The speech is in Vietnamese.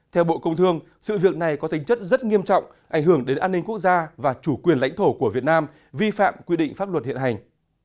theo bộ công thương sự việc này có tính chất rất nghiêm trọng ảnh hưởng đến an ninh quốc gia và chủ quyền lãnh thổ của việt nam vi phạm quy định pháp luật hiện hành